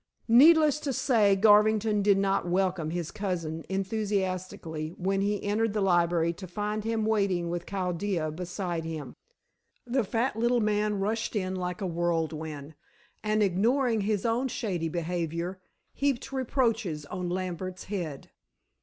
Needless to say, Garvington did not welcome his cousin enthusiastically when he entered the library to find him waiting with Chaldea beside him. The fat little man rushed in like a whirlwind, and, ignoring his own shady behavior, heaped reproaches on Lambert's head.